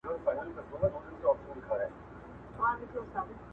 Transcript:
د ده مخکې به چا سپوڼ نه سوای وهلای